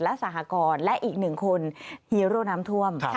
และสหกรณ์และอีกหนึ่งคนฮีโร่น้ำท่วม